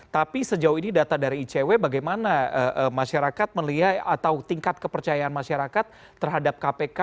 tapi sejauh ini data dari icw bagaimana masyarakat melihat atau tingkat kepercayaan masyarakat terhadap kpk